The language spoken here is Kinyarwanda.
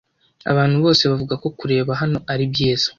Abantu bose bavuga ko kureba hano ari byiza.